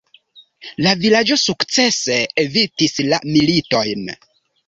La vilaĝo sukcese evitis la militojn.